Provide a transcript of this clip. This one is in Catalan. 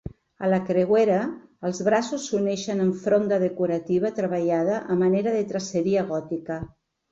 A la creuera, els braços s'uneixen amb fronda decorativa treballada a manera de traceria gòtica.